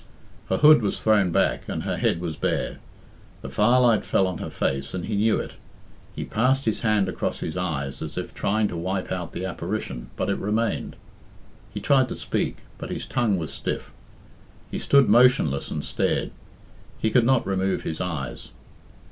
Her hood was thrown back, and her head was bare. The firelight fell on her face, and he knew it. He passed his hand across his eyes as if trying to wipe out the apparition, but it remained. He tried to speak, but his tongue was stiff. He stood motionless and stared. He could not remove his eyes.